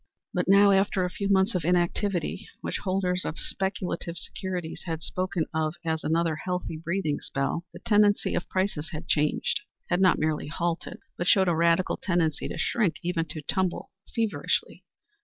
But now, after a few months of inactivity, which holders of speculative securities had spoken of as another healthy breathing spell, the tendency of prices had changed. Had not merely halted, but showed a radical tendency to shrink; even to tumble feverishly.